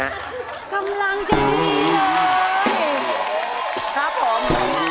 กำลังจะมีเลย